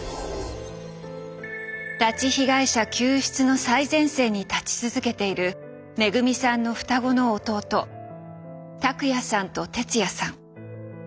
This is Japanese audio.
拉致被害者救出の最前線に立ち続けているめぐみさんの双子の弟拓也さんと哲也さん。